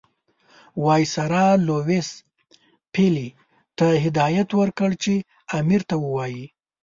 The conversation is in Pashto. وایسرا لیویس پیلي ته هدایت ورکړ چې امیر ته ووایي.